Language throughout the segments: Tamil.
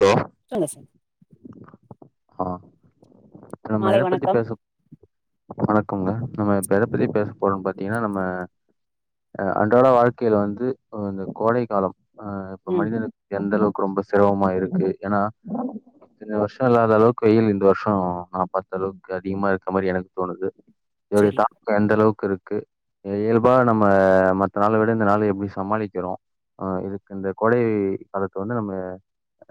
தோ சொலுங்க சார் ஆ நம்ம மாலை எத பத்தி வணக்கம் பேசப் வணக்கம்ங்க நம்ம இப்ப எத பத்தி பேச போறோம்னு பாத்தீங்கன்னா நம்ம அ அன்றாட வாழ்க்கையில வந்து இந்த கோடை காலம் அ இப்ப ம் மனிதனு எந்த அளவுக்கு ரொம்ப சிரமமா இருக்கு ஏன்னா இத்தனை வருஷொ இல்லாத அளவுக்கு வெயில் இந்த வருஷொ நா பாத்த அளவுக்கு அதிகமா இருக்க மாரி எனக்கு தோணுது இதோடைய சரி தாக்கம் எந்த அளவுக்கு இருக்கு இயல்பா நம்ம மத்த நாள விட இந்த நாள எப்டி சமாளிக்கிறோ ஆ இதுக்கு இந்த கோடை காலத்து வந்து நம்ம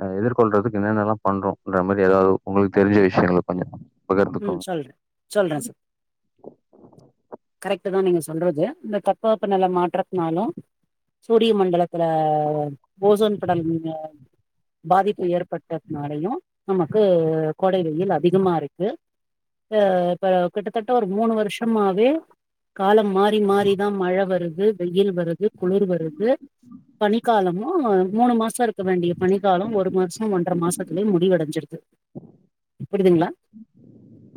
அ எதிர்கொள்றதுக்குனென்னல்லாம் பண்றோம்ன்ற மாரி ஏதாவ்து உங்களுக்கு தெரிஞ்ச விஷயங்கள் கொஞ்ச ம் சொல்ற சொல்ற சார் கரெக்ட் தான் நீங்க சொல்றது இந்த தப்ப வெப்ப நெல மாற்றத்துனாலு சூரிய மண்டலத்துல ஓசோன் படலங்க பாதிப்பு ஏற்பட்டதுனாலயு நமக்கு கோடை வெயில் அதிகமாருக்கு அ இப்ப கிட்டத்தட்ட ஒரு மூணு வருஷமாவே காலம் மாறி மாறிதா மழ வருது வெயில் வருது குளிர் வருது பனிக்காலமு மூணு மாச இருக் க்கவேண்டிய பனிக்காலம் ஒரு மாசொ ஒன்ற மாசத்திலயே முடிவடைஞ்சிடுது புரிதுங்ளா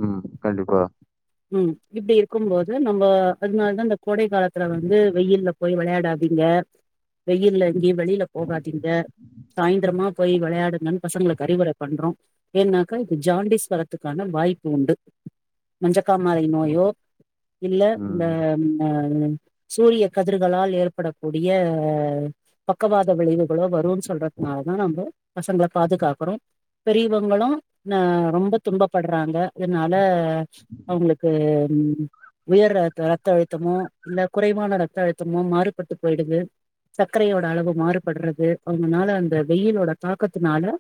ம் கண்டிப்பா ம் இப்டி இருக்கும் போது நம்ம அதனாலதான் இந்த கோடை காலத்துல வந்து வெயில்ல போய் வெளையாடாதீங்க [unintelligible] வெயில்ல எங்கயு வெளில போகாதிங்க சாயந்திரமா போய் வெளையாடுங்கன்னு பசங்களுக்கு அறிவுரை பண்றோ ஏன்னாக்கா இது ஜாண்டிஸ் வரத்துக்கான வாய்ப்பு உண்டு மஞ்சக்காமலை நோயோ இல்ல இந்த ம். சூரிய கதிர்களால் ஏற்படக்கூடிய பக்கவாத விளைவுகளோ வருன்னு சொல்றதுனாலதா நம்ப பசங்கள பாதுகாக்குறோ பெரியவங்களு அ ரொம்ப தும்ப பட்றாங்க இதனால அவுங்களுக்கு உயர் ர ரத்த அழுத்தமோ இல்ல குறைவான ரத்த அழுத்தமோ மாறுபட்டு போயிடுது சர்க்கரையோட அளவு மாறுபட்றது அதனால அந்த வெயிலோட தாக்கத்துனால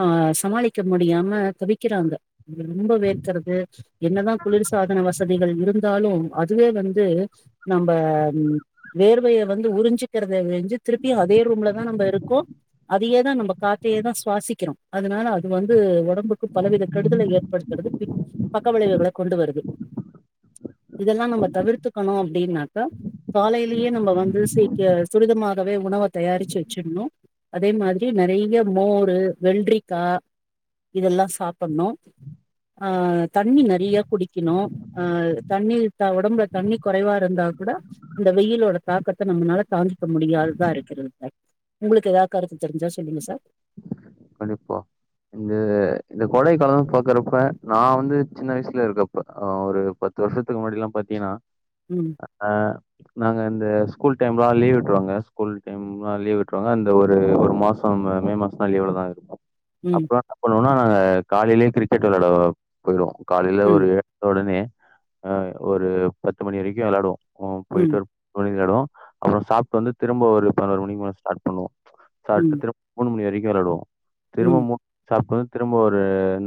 ஆ சமாளிக்க முடியாம தவிக்கிறாங்க ரொம்ப வேர்கிறது என்னதா குளிர்சாதன வசதிகள் இருந் தாலும் அதுவே வந்து நம்ம வேர்வையை வந்து உறிஞ்சு கிருதுலிஞ்சு திருப்பியு அதே ரூம்ல தா நம்ப இருக்கோ அதயே தா நம்ம காத்தே தா சுவாசிக்கிறோ அதனால அது வந்து ஒடம்புக்கு பலவிதத் கெடுதலை ஏற்படுத்துறது பின் பக்க விளைவுகள கொண்டு வ ருது இதெல்லா நம்ம தவிர்த்துக்கணு அப்டின்னாக்கா காலைலியே நம்ம வந்து சீக்க துரிதமாகவே உணவ தயாரிச்சி வெச்சிணு அதே மாத்ரி நெறைய மோரு வெள்ரிக்கா இதெல்லா சாப் பட்ணு ஆ தண்ணி நெறையா குடிக்குணு ஆ தண்ணி த ஒடம்புல தண்ணி குறைவா இருந்தா கூட இந்த வெயிலோட தாக்கத்த நம்மனால தாங்கிக்க முடியாததா இருக்கிறது [unintelligible] உங்களுக்கு எதாத் கருத்து தெரிஞ்ச சொல்லுங்க சார் கண்டிப்பா இந்த இந்த கோடை காலோ பாக்குறப்ப நா வந்து சின்ன வயசுல இருக்கப்ப அ ஒரு பத்து வருஷத்துக்கு முன்னாடிலா பாத்தீங்கன்னா ம் ஆ நாங்க இந்த ஸ்கூல் டைம்லா லீவ் விட்டுருவாங்க ஸ்கூல் டைம்லா லீவ் விட்டுருவாங்க அந்த ஒரு ஒரு மா சோ மே மாஸ்ந்தா லீவ்ல தா ம் அப்பற என்ன பண்ணுவோனா நாங்க காலைலே கிரிக்கெட் வெளையாட போயிடுவோ காலைல ம் ஒரு உடனே அ ஒரு பத்து மணி வரைக்கு விளாடுவோ அ ம் போயிட்டு மணி ஆயிடு அப்பறோ சாப்ட்டு வந்து திரும்ப ஒரு பதினோரு மணிக்குமேல ஸ்டார்ட் பண்ணுவோ ம் சாப்ட்டு மூணு மணி வரைக்கு வெளையாடுவோ திரும்ப ம் மூண் சாப்ட்டு வந்து திரும்ப ஒரு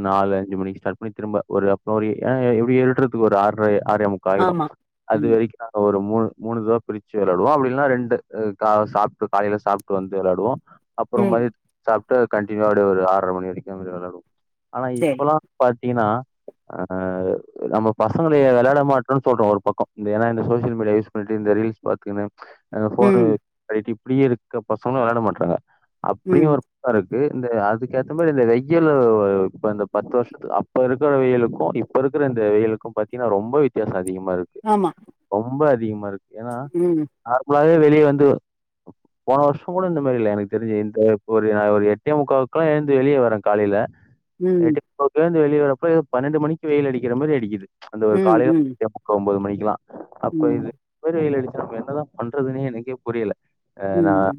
நாலு அஞ்சு மணிக்கு ஸ்டார்ட் பண்ணி திரும்ப ஒரு அப்றோ ஒரு ஏ எப்டி எழ் ஒரு ஆற்ர ஆரேமுக்கா ஆயிடு ஆமா அது ம் வரைக்கு ஒரு மூணு மூணு இதுவா பிரிச்சு வெளையாடுவோ அப்டின்னா ரெண்டு கா சாப்ட்டு காலைல சாப்ட்டு வந்து வெளையாடுவோ அப்றோ ம் மதியத் துக் கண்டியூனிவா அப்டி ஒரு ஆறர மணி வரைக்கு அப்டி வெளையாடுவோ ஆனா சரி இப்பல்லா பாத்தீங்கன்னா ஆ நம்ம பசங்கள ஏ வெளையாட மாட்டோன் சொல்றோ ஒரு பக்கோ ஏனா இந்த சோசியல் மீடியா யூஸ் பண்ணிட்டு இந்த ரீல்ஸ் பாத்தீங்கன்னா அந்த ஃபோனு ம் [unintelligible] இப்டியே இருக்க பசங்களு வெளையாட மாட்றாங்க அப்டியு ம் ஒரு இருக்கு இந்த அதுக்கு ஏத்த மாரி இந்த வெய்யில் இப்ப இந்த பத்து வருஷத்துக்கு அப்ப இருக்கிற வெயிலுக்கு இப் ப இருக்கிற இந்த வெயிலுக்கு பாத்தீங்கன்னா ரொம்ப வித்தியாசோ அதிகமா இருக்கு ஆமா ரொம்ப அதிகமா இருக்கு ஏனா ம் நார்மலாவே வெளிய வந்து போன வர்ஷோங்கூட இந்த மாரி இல்ல எனக்கு தெரிஞ்சி இந்த இப்போ நா ஒரு எட்டே முக்காவுக்கல்லா எழுந்து வெளியே வரே காலைல ம் எட் மு எழுந்து வெளில வரறப்ப பன்னெண்டு மணிக்கு வெயில் அடிக்கற மாரி அடிக்குது அந்த ஒரு ம் காலைல ம் எட்டே முக்கா ஒம்போது மணிக்குலா அப்ப ம் இது [inaudible] வெய்யில் அடிச்ச நம்ம என்னதா பண்றதுன்னே எனக்கே புரியல அ நா ம்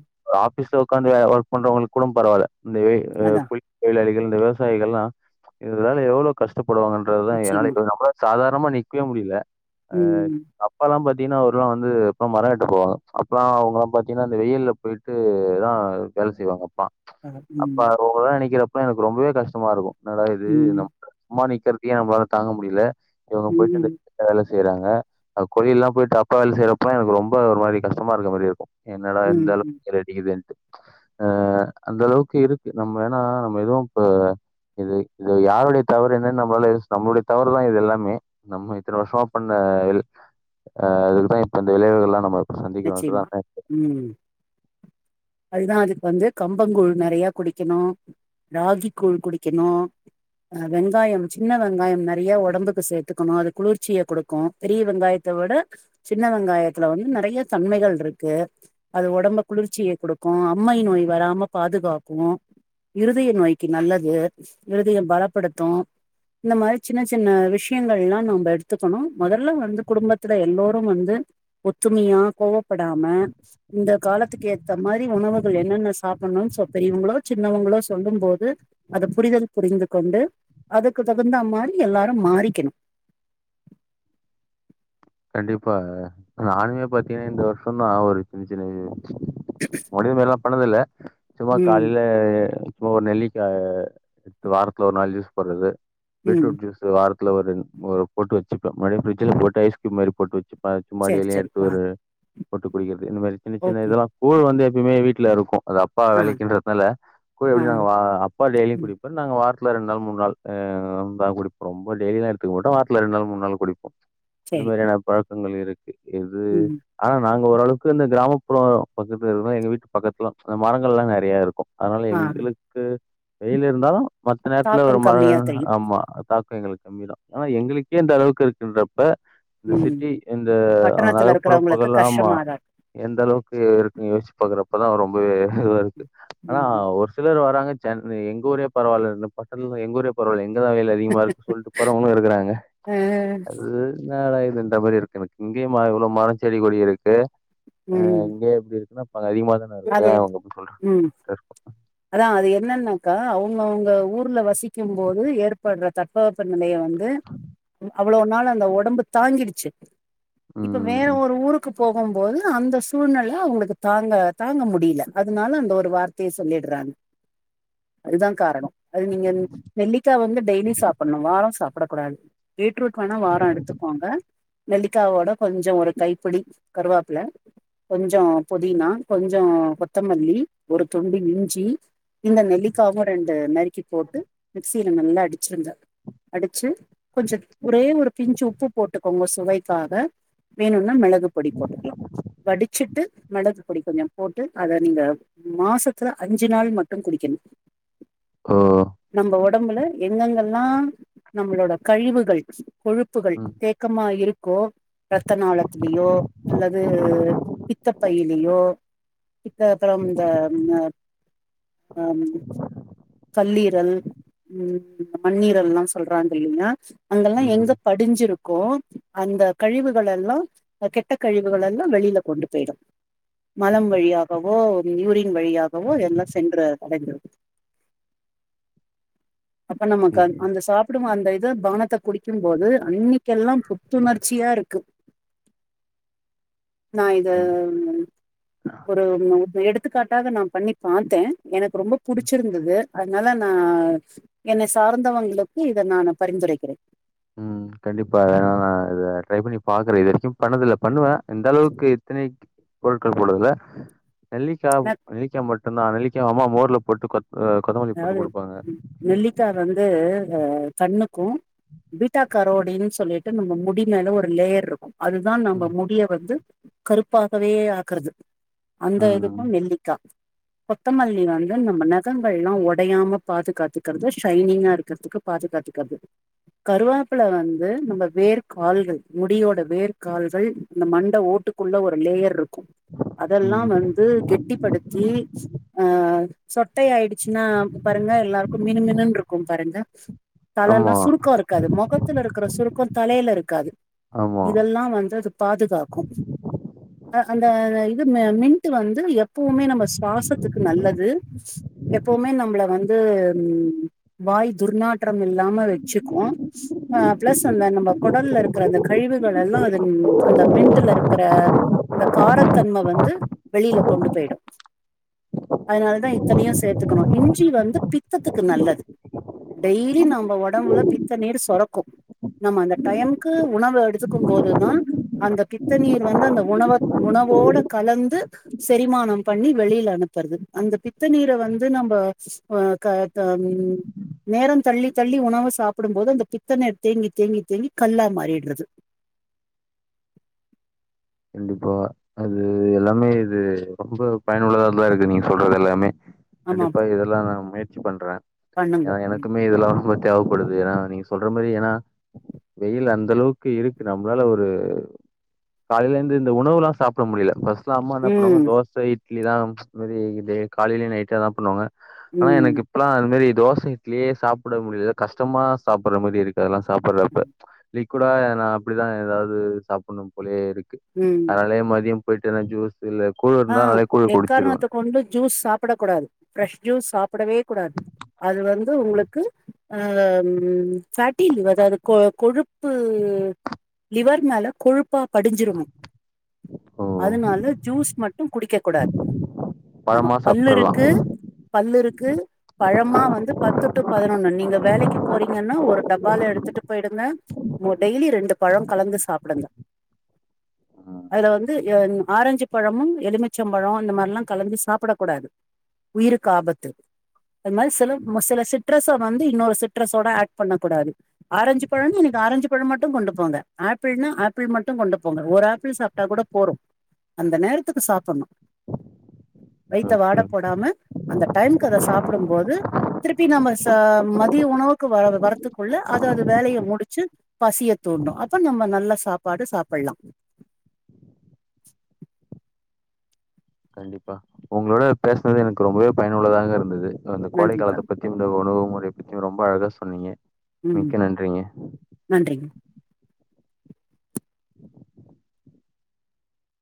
ஆபிஸ்ல உக்காந்து ஒர்க் பண்றவங்களுக்கூட பரவால்ல இந்த வெ அ அதா கூ லி தொழிலாளிகள் இந்த விவசாயிகள்லா இதனால எவ்ளோ கஷ்டப்படுவாங்கன்றதா என்னால நிச்சயமா [inaudible] சாதாரணமா நிக்கவே முடியல அ ம் அப்பாலா பாத்தீங்கன்னா அவரலா வந்து மர வெட்ட போவாங்க அப்பெல்லா அவங்கல்லா பாத்தீங்கன்னா அ வெயில்ல போயிட் ட்டுதா வேல செய்வாங்க அப்பா ஆ ம் அப்பாலா நிக்கிறப்பல எனக்கு ரொம்பவே கஷ்டமாருக்கு என்னடாயிது ம் நம் சும்மா நிக்கிறதக்கே நம்மளால தாங்க முடியல இவங்க ம் போயிட்டுயிந்த ம் வேல செய்றாங்க அ கொரியெல்லா போயிட்டு அப்பா வேல செய்றப்ப எனக்கு ரொம்ப ஒரு மாரி கஷ்டமாருக்க மாரிருக்கு என்னடா ம் இந்தளவுக்கு ரெடிக்குதுண்ட்டு ஆ அந்தளவுக்கு இருக்கு நம்ம ஏன்னா நம்ம எதுவு இப்ப இது இது யாருடைய தவறு என்னனு நம்மளால நம்மளுடைய தவறு தா இது எல்லாமே நம்ம இத்தன வருஷமா பண்ண இது அ இதுக்குதா இப்ப இந்த விளைவுகல்லா நம்ப நிச்சயமா ம் அதுதா அதுக்கு வந்து கம்பங்கூழ் நெறைய குடிக்கணு ராகி கூழ் குடிக்கணு வெங்காயம் சின்ன வெங்காயம் நெறைய உடம்புக்கு சேத்துக்கணு அது குளிர்ச்சிய குடுக் கு பெரிய வெங்காயத்தை விட சின்ன வெங்காயத்துல வந்து நெறைய தன்மைகள்ருக்கு அது ஒடம்பு குளிர்ச்சியை குடுக்க அம்மை நோய் வராம பாதுகாக்கு இருதய நோய்க்கு நல்லது இருதயம் பலப்படுத்து இந்த மாரி சின்ன சின்ன விஷயங்கள்லா நம்ம எடுத்துக்கணு மொதல்ல வந்து குடும்பத்துல எல்லோரு வந்து ஒத்துமையா கோவப்படாம இந்த காலத்துக்கு ஏத்த மாரி உணவுகள் என்னென்ன சாப்பணு பெரியவங்களோ சின்னவங்களோ சொல்லும் போது அத புரிதல் புரிந்து கொண்டு அதுக்கு தகுந்தா மாரி எல்லாரு மாறிக்கணு கண்டிப்பா நானுமே பத்தீங்கனா இந்தவருஷந்தா ஒரு [unintelligible] முடிவுமரில்லா பண்ணதில்ல சும்மா ம் காலையிலே அ இப்பொ ஒரு நெல்லிக்கா வாரத்துல ஒரு நாள் ஜூஸ் போட்றது ம் பீட்ரூட் ஜூஸ் வாரத்துல ஒரு போட்டு வச்சுப்ப மறுபடி பிரிட்ஜ்ல போட்டு ஐஸ்க்யூப்ஸ் மாரி போட்டு வச்சிப்பே ஆ சும்மா சேரி டெய்லியு சேரி எடுத்து ஆ ஒரு போட்டு குடிக்கிறது இந்த மாரி சின்ன சின்ன ஓகே இதெல்லா கூழ் வந்து எப்பயுமே வீட்டு்லருக்கு அது அப்பா ஆ வெளைக்கின்றதுனால கூழ் எப்டியு ஆ அப்பா டெய்லியு ம் குடிப் நாங்க வாரத்துல ரெண்டு நாள் மூணு நாள் ஏ ந்தா குடிப்போ ரொம்ப டெய்லிலா எடுத்துக்க மாட்டோ வாரத்துல ரெண்டு நாள் மூணு நாள் குடிப்போ இந்த சேரி மாரியான பழக்கங்கள் இருக்கு இது ம் ஆனா நாங்க ஓரளவுக்கு இந்த கிராமப்புற பக்கத்துலருக்கோ எங்க வீட்டு பக்கத்துல அந்த மரங்கள்லா நெறயா இருக்கு அதனால ஆ எங்களுக்கு வெயிலிருந்தாலு மத்த நேரத்துல ஒரு தாக்கம் மழ கம்மியா தெரியு ஆமா எங்களுக்கு கம்மிதா ஆனா எங்களுக்கே இந்த அளவுக்கு இருக்குன்றப்ப இந்த ம் சிட்டி இந்த பட்டணத்துல நகர்ப்புற இருக்கிறவங்களுக்கு பக்கெலாமா கஷ்டமாதா இருக்கு எந்த அளவுக்கு இருக்குன்னு யோசிச்சு பாக்குறப்பதா ரொம்பவே இதுவாருக்கு ஆனா ம் ஒரு சிலர் வராங்க சென் எங்க ஊரே பரவால்ல பட்ட எங்க ஊரே பரவால்ல இங்கதா வெயிலு அதிகமாருக்கு சொல்ட்டு போறவங்களு இருக்கிறாங்க ஆ அது என்னடா இதுன்ற மாரிருக்கு எனக்கு இங்கயுமா இவ்ளவு மர செடி கொடிருக்கு ஆ ம் இங்கே இப்டி இருக்குன்னாப்ப அங்க அதிகமா தானருக்கு அது ஏ அவங்க அப்டி சொல்றாங்க ம் [unintelligible] அதா அது என்னன்னாக்கா அவங்கவுங்க ஊர்ல வசிக்கும் போது ஏற்படுற தட்பவெப்ப நெலய வந்து அவ்வளோவ் நாள் அந்த ஒடம்பு தாங்கிடுச்சு இப்ப வேற ம். ஒரு ஊருக்கு போகும்போது அந்த சூழ்நில அவங்களுக்கு தாங்க தாங்க முடியல அதனால அந்த ஒரு வார்த்தையை சொல்லிட்றாங்க அதுதா காரண அது நீங்க நெல்லிக்கா வந்து டெய்லி சாப்டணு வார சாப்படக்கூடாது பீட்ரூட் வேணா வார எடுத்துக்கோங்க நெல்லிக்காவோட கொஞ்சோ ஒரு கைப்பிடி கருவாப்புல கொஞ்சோ புதினா கொஞ்சோ கொத்தமல்லி ஒரு துண்டு இஞ்சி இந்த நெல்லிக்காவு ரெண்டு நறுக்கி போட்டு மிக்ஸ் யில நல்லா அடிச்சிருங்க அடிச்சு கொஞ்ச ஒரே ஒரு பிஞ்சு உப்பு போட்டுக்கோங்க சுவைக்காக வேணுன்னா மெளகு பொடி போட்டுக்கலா வடிச்சுட்டு மெளகு பொடி கொஞ்சம் போட்டு அத நீங்க மாசத் அஞ்சு நாள் மட்டு குடிக்கணு ஓ! நம்ம உடம்புல எங்கெங்கல்லா நம்மளோட கழிவுகள் கொழுப்புகள் ம், தேக்கமா இருக் இருக்கோ ரத்த நாளத்திலியோ அல்லது பித்தப்பையிலியோ இப்ப அப்பறம் இந்த அ ம் கல்லீரல் ம் மண்ணீரல்லா சொல்றாங்க இல்லையா அங்கெல்லா எங்க ம். படிஞ்சிருக்கோ அந்த கழிவுகள் எல்லா கெட்ட கழிவுகள் எல்லா வெளில கொண்டு போயிடு மலம் வழியாகவோ யூரின் வழியா ஒவோ எல்லா சென்று அடைஞ்சிரு அப்ப நமக்கு அந் அந்த சாப் டுமோ அந்த இத பானத்த குடிக்கும் போது அன்னைக்கெல்லா புத்துணர்ச்சியா இருக்கு [inaudible] நா இத ஒரு எடுத்துக்காட்டாக நா பண்ணி பாத்த எனக்கு ரொம்ப புடிச்சிருந்துது அதனால நா என்ன சார்ந்தவங்களுக்கு இத நா பரிந்துரைக்கிறே ம் கண்டிப்பா த நா இத ட்ரை பண்ணி பாக்குற இது வரைக்கு பண்ணதில்ல பண்ணுவ இந்தளவுக்கு இத்தனை பொருட்கள் போட்டதுல்ல நெல்லிக்கா ஏன்னா நெல்லிக்கா மட்டுந்தா நெல்லிக்காய் அம்மா மோர்ல போட்டு கொத் கொத்தமல்லி போட்டு அதாவது குடுப்பாங்க நெல்லிக்கா வந்து அ கண்ணுக்கு பீட்டா கரோடின் சொல்லிட்டு நம்ம முடி மேல ஒரு லேயர்ருக்கும் அதுதா நம்ப ம். முடிய வந்து கருப்பாகவே ஆக்குறது அந்த ம். இதுக்கும் நெல்லிக்கா கொத்தமல்லி வந்து நம்ம நகோ எல்லா ஒடையாம பாதுகாத்துகற்துற்து ஷைனிங்கா இருக்கிறதுக்கு பாதுகாத்துக்கற்து கருவாப்பல வந்து நம்ம வேர் கால்கள் முடியோட வேர் கால்கள் இந்த மண்டை ஓட்டு குள்ள ஒரு லேயர் இருக்கும் அதெல்லா ம். வந்து கெட்டிப்படுத் தி அ சொட்டை ஆயிடுச்சுன்னா பாருங்க எல்லா மினு மினுன்னு இருக்கும் பாருங்க தலல்லா ஆமா, சுருக்கோ இருக்காது முகத்துல இருக்கற சுருக்கோ தலையில இருக்காது ஆமா. இதெல்லா வந்து அது பாதுகாக்கு அந்த இது மி மின்ட்டு வந்து எப்பவுமே நம்ம சுவாசத்துக்கு நல்லது எப்பவுமே நம்மள வந்து ம் வாய் துர்நா றம் இல்லாம வச்சுக்கு அஹ் பிளஸ் அந்த நம்ம குடல்ல இருக்கற அந்த கழிவுகள் எல்லா அது அந்த மின்டல இருக்கற அந்த காரத்தன்ம வந்து வெளியில கொண்டு போயிடு அதனாலதா இத்தனையு சே க்கணு இஞ்சி வந்து பித்தத்துக்கு நல்லது டெய்லி நாம ஒ ஒடம்புல பித்த நீர் சொரக்கு நம்ம அந்த டைமுக்கு உணவு எடுத்துக்கும் போதுதா அந்த பித்த நீீர் வந்து அந்த உணவ உணவோட கலந்து செரிமானம் பண்ணி வெளியில அனுப்புறது அந்த பித்த நீர வந்து இது நம்ம அ கா த நேரோ தள்ளி தள்ளி உணவ சாப்பிடும் போது அந்த பித்தநீர் தேங்கி தேங்கி தேங்கி கல்லா மாறிடுறது கண்டிப்ப அது எல்லாமே இது ரொம்ப பயனுள்ளதா தா இருக்கு நீங்க சொல்றது எல்லாமே ஆமா கண்டிப்பா இதெல்லா நா முயற்சி பண்றே பண்ணுங்கோ ஏன்னா ம் எனக்குமே இதெல்லா ரொம்ப தேவப்படுது ஏன்னா நீங்க சொல்ற மாரி ஏன்னா வெயில் அந்த அளவுக்கு இருக்கு நம்மளால ஒரு காலிலேந்து இந்த உணவுலா சாப்பிட முடியல ஃபஸ்ட்லா அம்மா என்ன பண்ணுவாங்க தோச இட் இட்லி லா ச் காலையில நைட்ல தா பண்ணுவாங்க ஆனா ம் எனக்கு இப்பல்லா அந்த மாரி தோச இட்லியே சாப்பிட முடியல கஷ்டமா சாப்பிடற மாரி இருக்கு அது எல்லா ம் சாப்படுறப்ப லிக்குடா நா அப்டிதா ஏதாவது சாப்பிடனு போலயே இருக்கு ம் அதனாலே மதியம் போயிட்டு ஜூஸ் இல்ல ஆ இருந்தா நாலே கூழ் எக் குடிச்சிருவே காரணத்த கொண்டு ஜூஸ் சாப் சாப்பிட கூடாது பிரஷ் ஜூஸ் சாப்பிடவே கூடாது அது வந்து உங்களுக்கு ஆ ஃபேட்டி அதாவது கொ கொழுப்பு லிவர் மேல கொழுப்பா படிஞ்சிரு ஓ அதனால ஜூஸ் மட் குடிக்க கூடாது பழமா நமக்கு பல்லு சாப்ட்றலா இருக்கு பல்லு இருக்கு பழமா வந்து பத்து டு பதினொன்னு நீங்க வேலைக்கு போறீங்கன்னா ஒரு டப்பால எடுத்துட்டு போயிருங்க டெய்லி ரெண்டு பழம் கலந்து சாப்பிடுங்க அதுல வந்து ஆரஞ்சு பழமும் எலுமிச்சம்பழம் இந்த மாரிலா கலந்து சாப்பிடக்கூடாது உயிருக்கு ஆபத்து அது மாரி சில சில சிட்ரஸ்ச வந்து இன்னொரு சிட்ரஸ்சோட ஆட் பண்ண கூடாது ஆரஞ்சு பழம் னா இன்னைக்கு ஆரஞ்சு பழம் மட்டு கொண்டு போங்க ஆப்பிள்னா ஆப்பிள் மட்டு கொண்டு போங்க ஒரு ஆப்பிள் சாப் கூட போறு அந்த நேரத்துக்கு சாப்பிடணு வயித்த வாட ஓகே போடாம அந்த டைத்திகு அத சாப்பிடும்போது திருப்பி நம்ம ச மதிய உணவுக்கு வர வரத்துக்குள்ள அதது அது வேலைய முடிச்சு பசிய தூண்டு அப்ப நம்ம நல்லா சாப்பாடு சாப்பிட்லா கண்டிப்பா உங்களோட பேசினது எனக்கு ரொம்பவே பயனுள்ளதாக இருந்தது அந்த கோடை நன்றிப்பா காலத்த பத்தி இந்த உணவு முறை பத்தி ரொம்ப அழகா சொன்னீங்க மிக்க நன்றிங்க நன்றி [inaudible]